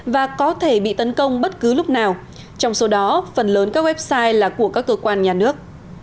và có thể bị tấn công bất cứ lúc nào trong số đó phần lớn các website là của các cơ quan nhà nước